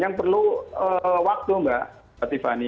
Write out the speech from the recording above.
yang perlu waktu mbak